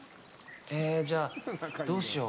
じゃあ、どうしよう。